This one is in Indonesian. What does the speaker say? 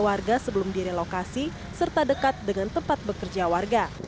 warga sebelum direlokasi serta dekat dengan tempat bekerja warga